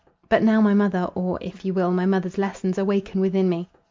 But now my mother, or, if you will, my mother's lessons, awaken within me.